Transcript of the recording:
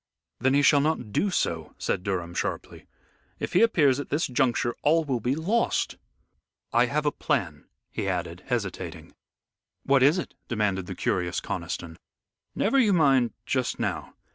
"Then he shall not do so," said Durham, sharply. "If he appears at this juncture all will be lost. I have a plan," he added, hesitating. "What is it?" demanded the curious Conniston. "Never you mind just now.